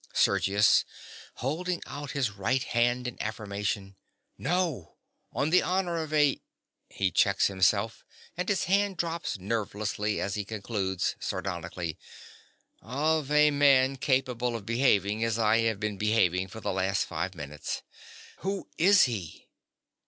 SERGIUS. (holding out his right hand in affirmation). No; on the honor of a—(He checks himself, and his hand drops nerveless as he concludes, sardonically)—of a man capable of behaving as I have been behaving for the last five minutes. Who is he?